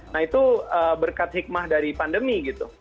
nah itu berkat hikmah dari pandemi gitu